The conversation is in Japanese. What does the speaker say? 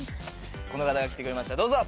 この方が来てくれましたどうぞ！